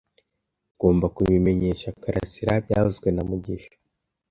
Ngomba kubimenyesha Karasira byavuzwe na mugisha